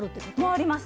あります。